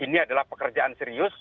ini adalah pekerjaan serius